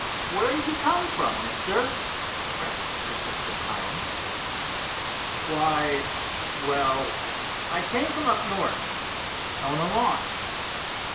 "Where did you come from, Mister?" pressed the persistent Hiram. "Why well, I came from up north. Own a launch.